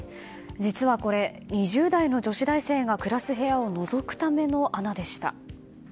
実はこれ２０代の女子大生が暮らす部屋をのぞくための穴でした。